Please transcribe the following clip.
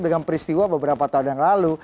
dengan peristiwa beberapa tahun yang lalu